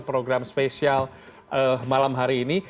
program spesial malam hari ini